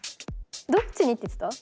どっちにって言ってた？